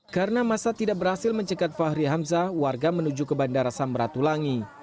karena massa tidak berhasil mencegat fahri hamzah warga menuju ke bandara samratulangi